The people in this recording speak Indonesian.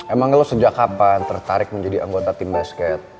emang lo sejak kapan tertarik menjadi anggota tim basket